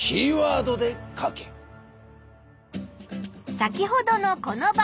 先ほどのこの場面。